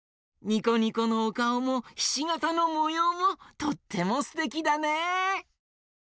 ニコニコのおかおもひしがたのもようもとってもすてきだね。